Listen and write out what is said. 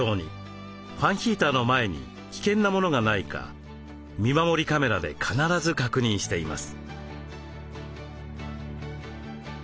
ファンヒーターの前に危険なものがないか見守りカメラで必ず確認しています。